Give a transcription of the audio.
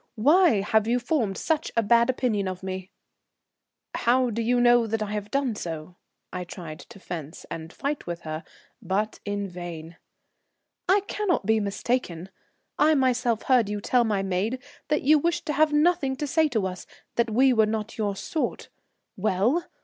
Why have you formed such a bad opinion of me?" "How do you know I have done so?" I tried to fence and fight with her, but in vain. "I cannot be mistaken. I myself heard you tell my maid that you wished to have nothing to say to us, that we were not your sort. Well!